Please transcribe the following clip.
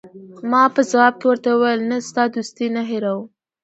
ما په ځواب کې ورته وویل: نه، ستا دوستي نه هیروم.